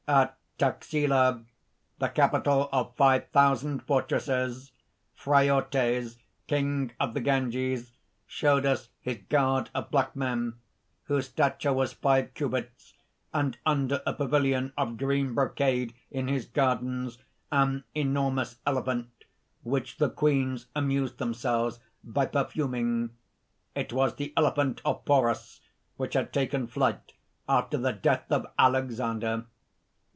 "At Taxilla, the capital of five thousand fortresses, Phraortes, King of the Ganges, showed us his guard of black men, whose stature was five cubits, and under a pavilion of green brocade in his gardens, an enormous elephant, which the queens amused themselves by perfuming. It was the elephant of Porus which had taken flight after the death of Alexander."